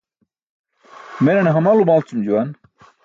Menane hamal umalcum juwan.